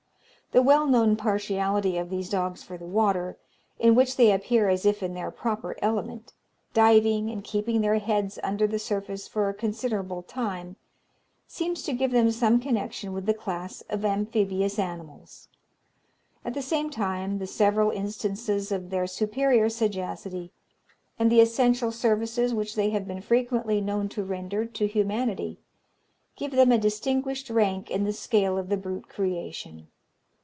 The well known partiality of these dogs for the water, in which they appear as if in their proper element, diving and keeping their heads under the surface for a considerable time, seems to give them some connexion with the class of amphibious animals. At the same time, the several instances of their superior sagacity, and the essential services which they have been frequently known to render to humanity, give them a distinguished rank in the scale of the brute creation.